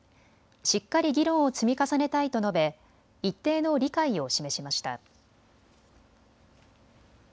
しっかり議論を積み重ねたいと述べ、一定の理解を示しました。